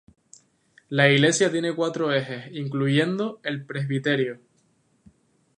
La iglesia tiene cuatro entre-ejes, incluyendo el presbiterio.